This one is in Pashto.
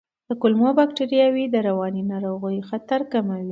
کولمو بکتریاوې د رواني ناروغیو خطر کموي.